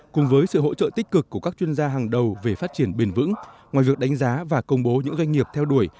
cùng với sự hỗ trợ tích cực của các chuyên gia hàng đầu về phát triển bền vững ngoài việc đánh giá và công bố những doanh nghiệp theo đuổi